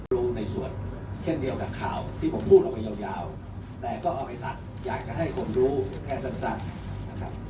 ลงในส่วนเช่นเดียวกับข่าวที่ผมพูดออกไปยาวแต่ก็เอาไปตัดอยากจะให้ผมรู้แค่สั้นนะครับ